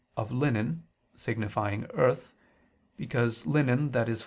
of linen, signifying earth, because linen, i.e.